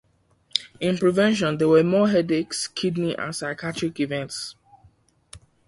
In prevention there were more headaches, kidney, and psychiatric events.